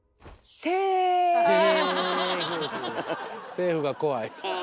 セーフが怖い。